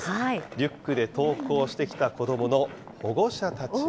リュックで登校してきた子どもの保護者たちは。